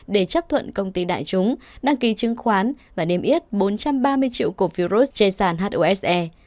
để chấp thuận công ty đại chúng đăng ký chứng khoán và niêm yết bốn trăm ba mươi triệu cổ phí ferris trên sàn hosse